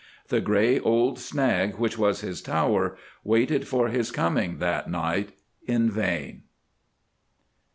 The gray old snag which was his tower waited for his coming that night in vain.